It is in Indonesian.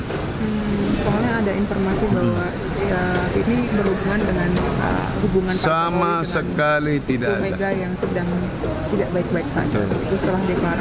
soalnya ada informasi bahwa ini berhubungan dengan hubungan pak cikgu dengan bumega yang sedang tidak baik baik saja